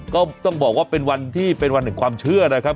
ก็ต้องบอกว่าเป็นวันที่เป็นวันแห่งความเชื่อนะครับ